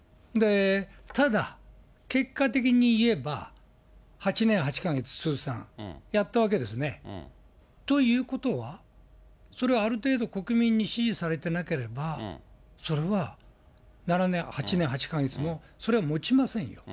ただ、結果的に言えば、８年８か月通算やったわけですね。ということは、それはある程度国民に支持されてなければ、それは８年８か月もそれはもちませんよ。